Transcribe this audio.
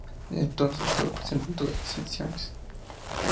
Desde entonces, ha estado presente en todas las ediciones.